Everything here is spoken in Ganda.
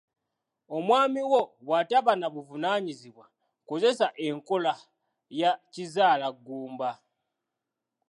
Omwami wo bw'ataba na buvunaanyizibwa, kozesa enkola ya kizaalaggumba.